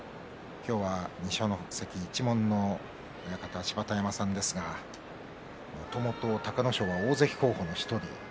今日は二所ノ関一門の親方芝田山さんですがもともと隆の勝は大関候補の１人。